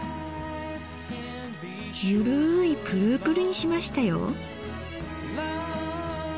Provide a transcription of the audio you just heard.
ゆるいプルプルにしましたよ。